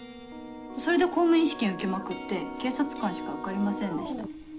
それで公務員試験受けまくって警察官しか受かりませんでした。